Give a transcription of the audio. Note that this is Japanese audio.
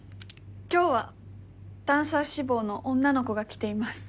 今日はダンサー志望の女の子が来ています。